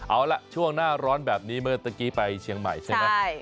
เอาล่ะช่วงหน้าร้อนแบบนี้เมื่อตะกี้ไปเชียงใหม่ใช่ไหม